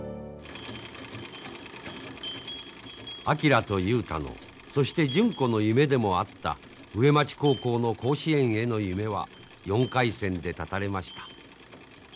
昭と雄太のそして純子の夢でもあった上町高校の甲子園への夢は４回戦で絶たれました。